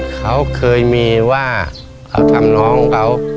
เขาเคยมีว่าเขาทำน้องเขา